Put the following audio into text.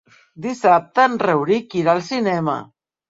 Dissabte en Rauric irà al cinema.